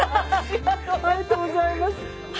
ありがとうございます。